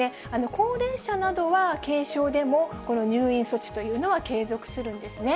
高齢者などは、軽症でも、この入院措置というのは継続するんですね。